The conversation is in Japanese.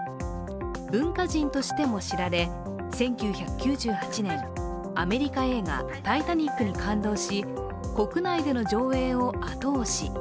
文化人としても知られ１９９８年、アメリカ映画「タイタニック」に感動し国内での上映を後押し。